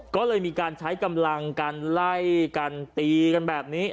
ก็เลยมีการใช้กำลังกันไล่กันตีกันแบบนี้